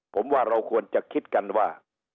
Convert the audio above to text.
ผมว่าเราควรจะคิดกันว่า